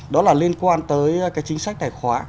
đó là liên quan tới cái chính sách tài khoá